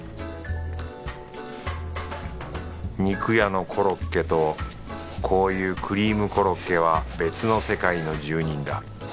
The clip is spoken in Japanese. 肉屋のコロッケとこういうクリームコロッケは別の世界の住人だ。